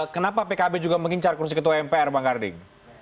kenapa pkb juga mengincar kursi ketua mpr bang karding